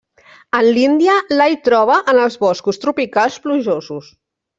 En l'Índia la hi troba en els boscos tropicals plujosos.